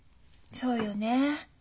そうよね。